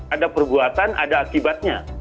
ada perbuatan ada akibatnya